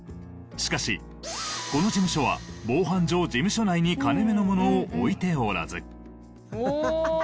しかしこの事務所は防犯上事務所内に金目のものを置いておらず。